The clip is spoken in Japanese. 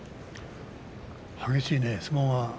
激しいね相撲が。